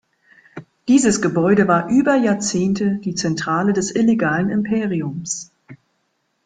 Dieses Gebäude war über Jahrzehnte die Zentrale des illegalen Imperiums.